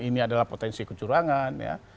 ini adalah potensi kecurangan ya